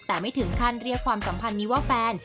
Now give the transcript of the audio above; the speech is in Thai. แต่ไม่ถึงขั้นเรียกความสัมพันธ์นี้ว่าแฟน